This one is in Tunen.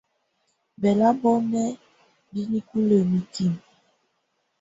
Bɛ̀labɔnɛ̀á bɛ̀ nikulǝ́ nikimǝ.